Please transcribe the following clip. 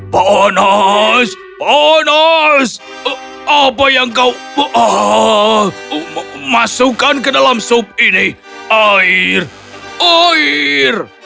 panas panas apa yang kau masukkan ke dalam sup ini air air